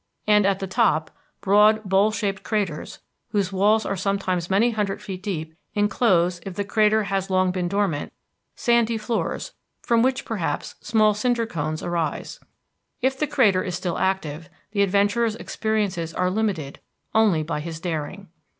And at the top, broad, bowl shaped craters, whose walls are sometimes many hundred feet deep, enclose, if the crater has long been dormant, sandy floors, from which, perhaps, small cinder cones arise. If the crater still is active, the adventurer's experiences are limited only by his daring.